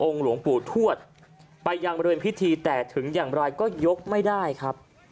หลวงปู่ทวดไปยังบริเวณพิธีแต่ถึงอย่างไรก็ยกไม่ได้ครับ